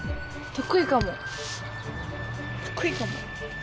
得意かも。